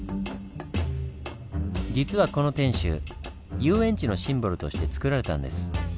実はこの天守遊園地のシンボルとしてつくられたんです。